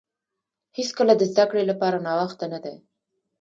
هیڅکله د زده کړې لپاره ناوخته نه دی.